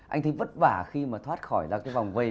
anh thấy vất vả khi mà thoát khỏi ra cái vòng vây